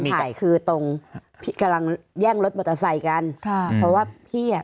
มีไก่คือตรงพี่กำลังแย่งรถมอเตอร์ไซค์กันค่ะเพราะว่าพี่อ่ะ